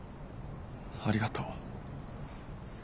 ありがとう。